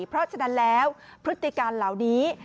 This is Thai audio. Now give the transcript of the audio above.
เพราะฉะนั้นแล้วพฤติการเหล่านี้